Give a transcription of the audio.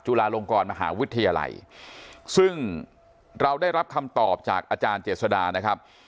จุฬาลงกรมหาวิทยาลัยซึ่งเราได้รับคำตอบจากอาจารย์เจษดานะครับ